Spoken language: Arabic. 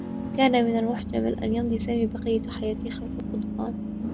كان من المحتمل أن يمضي سامي بقيّة حياته خلف القضبان.